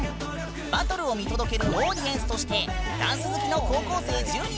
バトルを見届けるオーディエンスとしてダンス好きの高校生１０人が来てくれたよ！